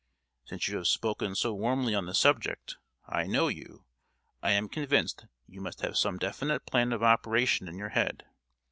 Since you have spoken so warmly on the subject—I know you!—I am convinced you must have some definite plan of operation in your head.